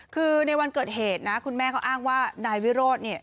คือในวันเกิดเหตุนะคุณแม่เขาอ้างว่านายวิโรธเนี่ย